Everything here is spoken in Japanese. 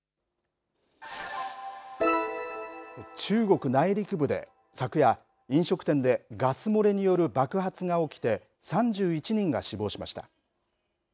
中国内陸部で昨夜飲食店でガス漏れによる爆発が起きて３１人が死亡しました。